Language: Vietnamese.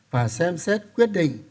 và xem xét quyết định